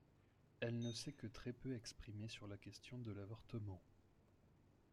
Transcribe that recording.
Elle ne s'est que très peu exprimée sur la question de l'avortement.